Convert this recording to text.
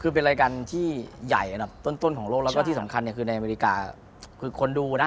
คือเป็นรายการที่ใหญ่อันดับต้นของโลกแล้วก็ที่สำคัญเนี่ยคือในอเมริกาคือคนดูนะ